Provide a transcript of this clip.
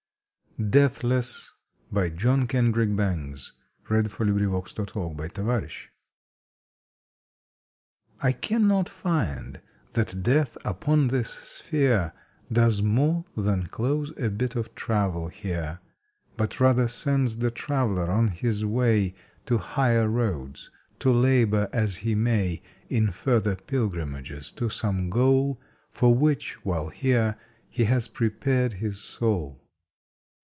That I shall be At least a first class brick. August Twenty fourth DEATHLESS T CANNOT find that death upon this sphere Does more than close a bit of travel here, But rather sends the traveler on his way To higher roads to labor as he may In further pilgrimages to some goal For which while here he has prepared his soul.